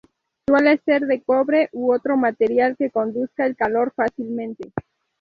Suele ser de cobre u otro material que conduzca el calor fácilmente.